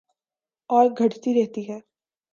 اور گھٹتی رہتی ہے